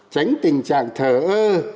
tránh tình trạng thờ ơ